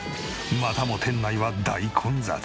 またも店内は大混雑。